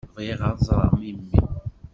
Bɣiɣ ad ẓreɣ memmi.